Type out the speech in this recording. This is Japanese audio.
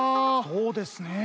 そうですねえ。